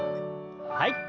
はい。